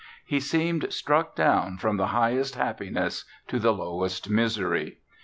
He seemed struck down from the highest happiness to the lowest misery.